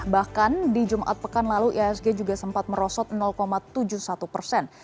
bahkan di jumat pekan lalu ihsg juga sempat merosot tujuh puluh satu persen